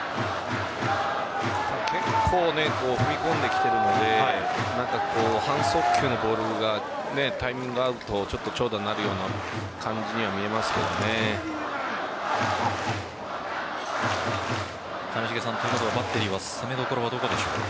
結構、踏み込んできているので半速球のボールのタイミングが合うと長打になるような感じには見えますけどね。ということはバッテリーは攻めどころ、どこでしょうか？